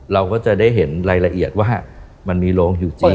เราก็จะได้เห็นรายละเอียดว่ามันมีโรงอยู่จริง